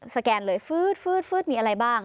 แกนเลยฟืดมีอะไรบ้าง